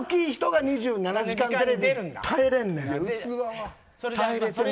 そこが大きい人が２７時間テレビで耐えれんねん。